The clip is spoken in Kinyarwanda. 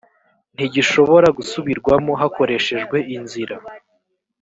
ntigishobora gusubirwamo hakoreshejwe inzira